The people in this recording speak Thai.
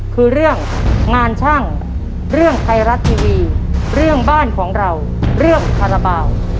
คือเรื่องงานช่างเรื่องไทยรัฐทีวีเรื่องบ้านของเราเรื่องคาราบาล